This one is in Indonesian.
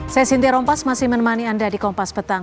saya sinti rompas masih menemani anda di kompas petang